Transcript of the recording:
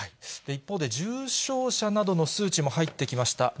一方で重症者などの数値も入ってきました。